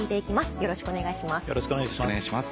よろしくお願いします。